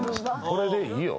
これでいいよ。